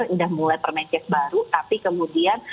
sudah mulai permenkes baru tapi kemudian